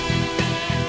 saya yang menang